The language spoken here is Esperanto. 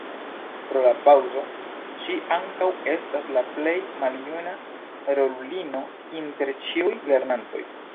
Pro la paŭzo, ŝi ankaŭ estas la plej maljuna rolulino inter ĉiuj lernantoj.